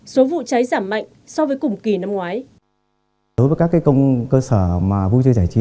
số vụ cháy giảm mạnh so với cùng kỳ năm ngoái